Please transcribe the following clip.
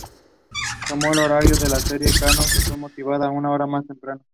Tomó el horario de la serie "Cannon", que fue movida una hora más temprano.